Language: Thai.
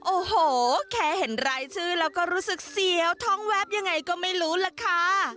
โอ้โหแค่เห็นรายชื่อแล้วก็รู้สึกเสียวท้องแวบยังไงก็ไม่รู้ล่ะค่ะ